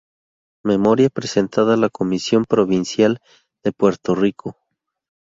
Memoria presentada a la Comisión Provincial de Puerto Rico".